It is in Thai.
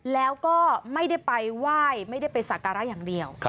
แล้วก็ไม่ได้ไปไหว้ไม่ได้ไปสักการะอย่างเดียว